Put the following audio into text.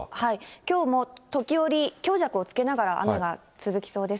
きょうも時折、強弱をつけながら、雨が続きそうです。